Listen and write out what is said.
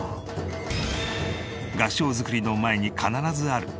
合掌造りの前に必ずあるこちらの箱。